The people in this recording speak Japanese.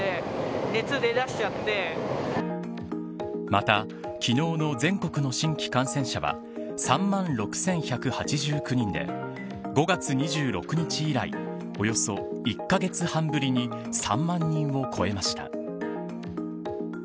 また昨日の全国の新規感染者は３万６１８９人で５月２６日以来およそ１カ月半ぶりに３万人を超えました。